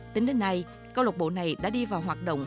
tính đến nay câu lạc bộ này đã đi vào hoạt động